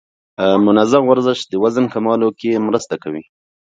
منظم ورزش د وزن کمولو کې مرسته کوي.